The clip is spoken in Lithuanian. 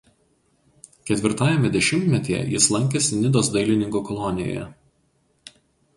Ketvirtajame dešimtmetyje jis lankėsi Nidos dailininkų kolonijoje.